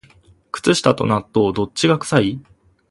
靴下と納豆、どっちが臭い？